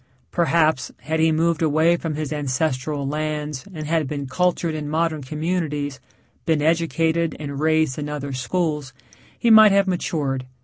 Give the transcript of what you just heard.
Perhaps, had he moved away from his ancestral lands and had been cultured in modern communities, been educated and raised in other schools, he might have matured.